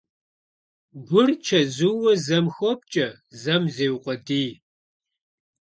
Гур чэзууэ зэм хопкӀэ, зэм зеукъуэдий.